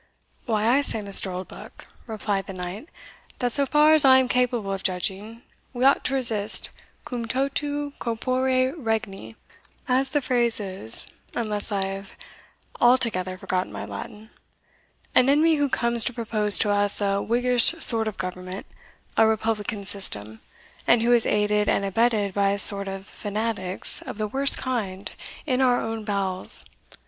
"Why, I say, Mr. Oldbuck," replied the knight, "that so far as I am capable of judging, we ought to resist cum toto corpore regni as the phrase is, unless I have altogether forgotten my Latin an enemy who comes to propose to us a Whiggish sort of government, a republican system, and who is aided and abetted by a sort of fanatics of the worst kind in our own bowels.